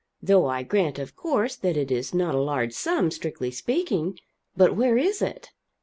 Though I grant, of course, that it is not a large sum, strictly speaking. But where is it?"